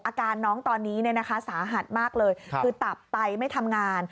อาการน้องตอนนี้สาหัสมากเลยคือตับไตไม่ทำงาน